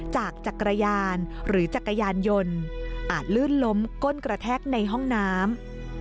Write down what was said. จักรยานหรือจักรยานยนต์อาจลื่นล้มก้นกระแทกในห้องน้ำ